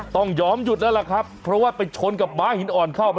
ต้องยอมหยุดแล้วล่ะครับเพราะว่าไปชนกับม้าหินอ่อนเข้ามา